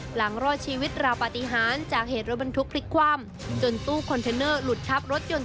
รอดชีวิตราวปฏิหารจากเหตุรถบรรทุกพลิกคว่ำจนตู้คอนเทนเนอร์หลุดทับรถยนต์